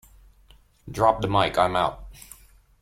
Drop the Mic, I'm out.